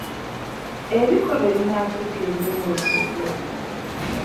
ebikolwa ebinaatuuka ebirowoozo byo